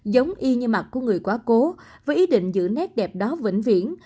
giống y như mặt của người quá cố với ý định giữ nét đẹp đó vĩnh viễn